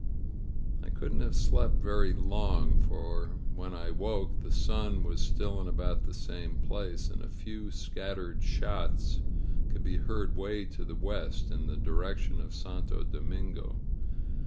I couldn't have slept very long, for when I woke the sun was still in about the same place, and a few scat tered shots could be heard way to the west, in the direc tion of Santo Domingo.